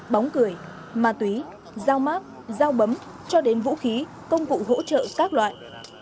bóng cười ma túy giao máp giao bấm cho đến vũ khí công cụ hỗ trợ các loại